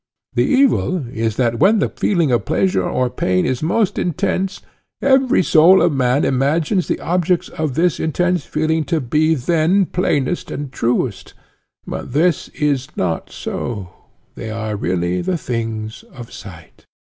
The evil is that when the feeling of pleasure or pain is most intense, every soul of man imagines the objects of this intense feeling to be then plainest and truest: but this is not so, they are really the things of sight.